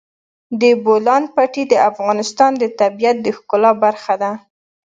د بولان پټي د افغانستان د طبیعت د ښکلا برخه ده.